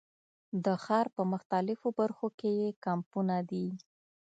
د ښار په مختلفو برخو کې یې کمپونه دي.